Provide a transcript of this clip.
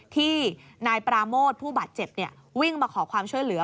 ที่นายปราโมทผู้บาดเจ็บวิ่งมาขอความช่วยเหลือ